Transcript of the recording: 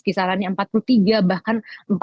kisarannya empat puluh tiga bahkan empat puluh lima